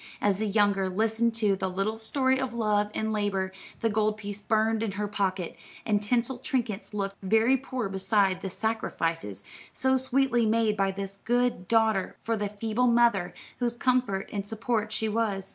As the younger listened to the little story of love and labor, the gold piece burned in her pocket, and tinsel trinkets looked very poor beside the sacrifices so sweetly made by this good daughter for the feeble mother whose comfort and support she was.